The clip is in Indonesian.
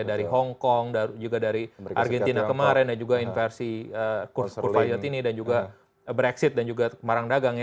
dari hongkong juga dari argentina kemarin juga inversi kurva ini dan juga brexit dan juga perang dagang